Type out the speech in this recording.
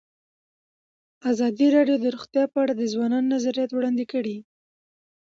ازادي راډیو د روغتیا په اړه د ځوانانو نظریات وړاندې کړي.